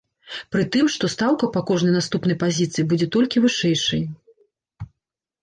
Пры тым, што стаўка па кожнай наступнай пазіцыі будзе толькі вышэйшай.